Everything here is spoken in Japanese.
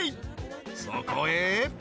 そこへ］